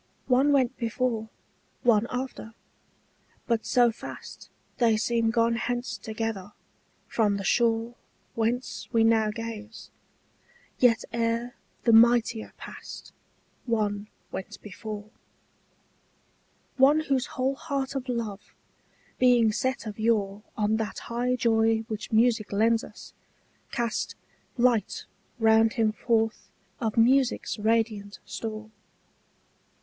One went before, one after, but so fast They seem gone hence together, from the shore Whence we now gaze: yet ere the mightier passed One went before; One whose whole heart of love, being set of yore On that high joy which music lends us, cast Light round him forth of music's radiant store.